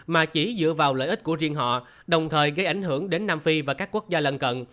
mà chỉ dựa vào lợi ích của riêng họ đồng thời gây ảnh hưởng đến nam phi và các quốc gia lần cận